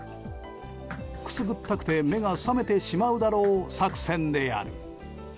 くすぐったくて目が覚めてしまうだろう作戦である。